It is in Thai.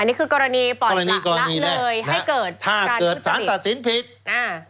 อันนี้คือกรณีปล่อยครักเลยให้เกิดถ้าเกิดสารตัดสินผิดอ่า